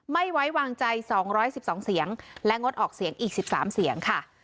ไม่ไว้วางใจสองร้อยสิบสองเสียงและงดออกเสียงอีกสิบสามเสียงค่ะ